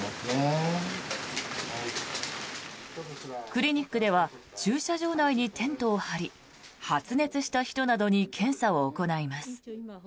クリニックでは駐車場内にテントを張り発熱した人などに検査を行います。